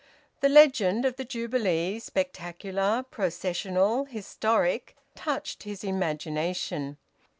The legend of the Jubilee, spectacular, processional, historic, touched his imagination.